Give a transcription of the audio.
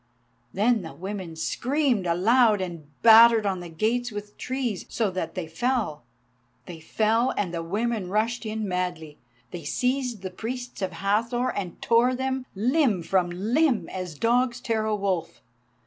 Then the women screamed aloud and battered on the gates with trees, so that they fell. They fell and the women rushed in madly. They seized the priests of Hathor and tore them limb from limb as dogs tear a wolf.